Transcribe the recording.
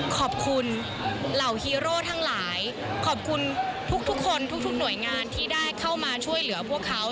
ขอบคุณเหล่าฮีโร่ทั้งหลายขอบคุณทุกคนทุกหน่วยงานที่ได้เข้ามาช่วยเหลือพวกเขา